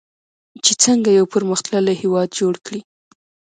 چې څنګه یو پرمختللی هیواد جوړ کړي.